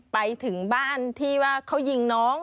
ไปถึงบ้านที่ว่าเขายิงน้อง